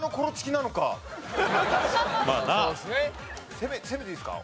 攻めていいですか？